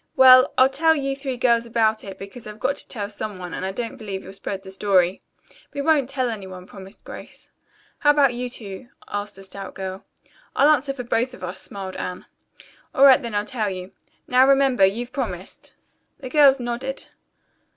"Well, I'll tell you three girls about it, because I've got to tell some one and I don't believe you'll spread the story." "We won't tell anyone," promised Grace. "How about you two?" asked the stout girl. "I'll answer for both of us," smiled Anne. "All right then, I'll tell you. Now remember, you've promised." The girls nodded.